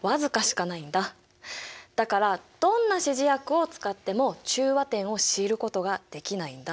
だからどんな指示薬を使っても中和点を知ることができないんだ。